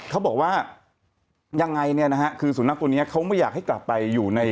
เขาบอกว่ายังไงคือสุนัขคนนี้เขาไม่อยากให้กลับไปอยู่ใน